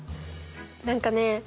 何かね